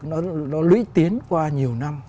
nó lũy tiến qua nhiều năm